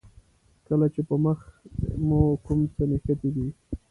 کله چې په مخ مو کوم څه نښتي دي.